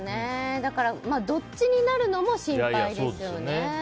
だから、どっちになるのも心配ですよね。